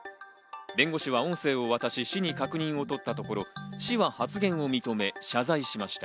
弁護士は音声を渡し、市に確認を取ったところ市は発言を認め謝罪しました。